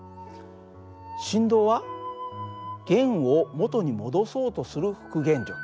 振動は弦を元に戻そうとする復元力。